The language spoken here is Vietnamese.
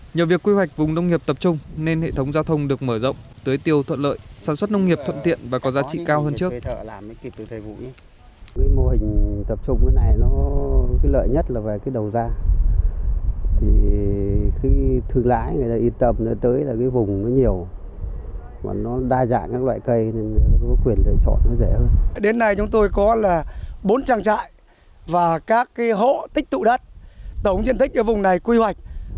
nhờ việc quy hoạch vùng nông nghiệp tập trung nên hệ thống giao thông được mở rộng tới tiêu thuận lợi sản xuất nông nghiệp thuận tiện và có giá trị cao hơn trước